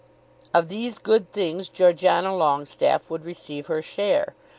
Of these good things Georgiana Longestaffe would receive her share.